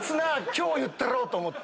今日言ったろう！と思って。